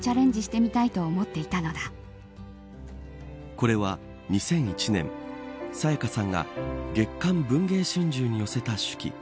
これは、２００１年沙也加さんが月刊文芸春秋に寄せた手記。